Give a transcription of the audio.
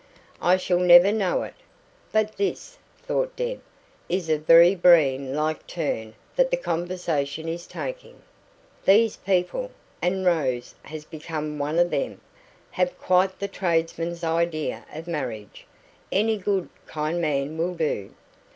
"I shall never know it. But this," thought Deb, "is a very Breen like turn that the conversation is taking. These people and Rose has become one of them have quite the tradesman's idea of marriage. Any 'good, kind man' will do.